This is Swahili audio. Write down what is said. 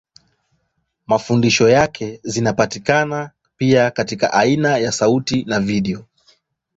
Mafundisho yake zinapatikana pia katika aina ya sauti na video.